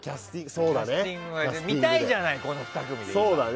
見たいじゃない、この２組。